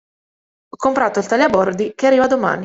Ho comprato il taglia bordi che arriva domani.